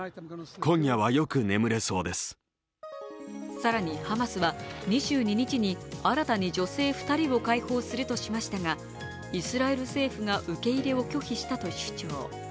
更にハマスは２２日に新たに女性２人を解放するとしましたがイスラエル政府が受け入れを拒否したと主張。